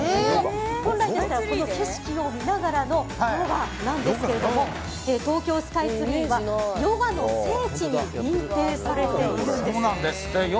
本来でしたらこの景色を見ながらのヨガなんですが東京スカイツリーはヨガの聖地に認定されているんです。